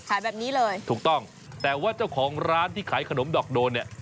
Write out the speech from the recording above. ขายแบบนี้เลยถูกต้องแต่ว่าเจ้าของร้านที่ขายขนมดอกโดนเนี่ย